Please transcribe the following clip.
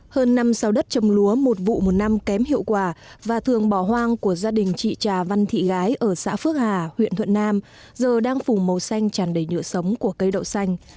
hơn năm sao đất trồng lúa một vụ một năm kém hiệu quả và thường bỏ hoang của gia đình chị trà văn thị gái ở xã phước hà huyện thuận nam giờ đang phủ màu xanh tràn đầy nhựa sống của cây đậu xanh